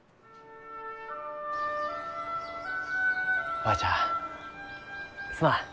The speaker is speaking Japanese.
おばあちゃんすまん。